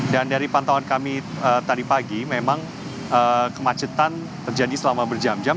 dan dari pantauan kami tadi pagi memang kemacetan terjadi selama berjam jam